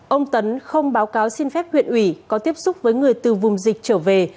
ông tấn không báo cáo xin phép huyện ủy có tiếp xúc với người từ vùng dịch trở về